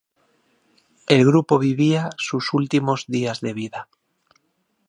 El grupo vivía sus últimos días de vida.